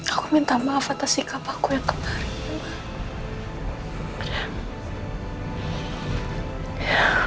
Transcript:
aku minta maaf atas sikap aku yang kemarin